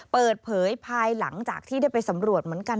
เปิดเผยภายหลังจากที่ได้ไปสำรวจเหมือนกัน